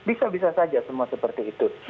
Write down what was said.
bisa bisa saja semua seperti itu